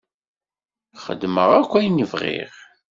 Xedmeɣ akk ayen i bɣiɣ.